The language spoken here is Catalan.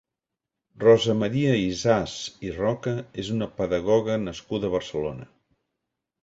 Rosa Maria Ysàs i Roca és una pedagoga nascuda a Barcelona.